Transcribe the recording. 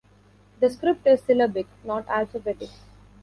The script is syllabic, not alphabetic.